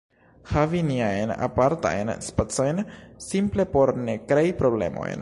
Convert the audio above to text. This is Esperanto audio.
havi niajn apartajn spacojn simple por ne krei problemojn.